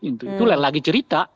itu yang lagi cerita